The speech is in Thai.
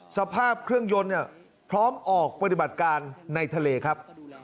สภาพเครื่องยนต์พร้อมออกปฏิบัติการในทะเลครับ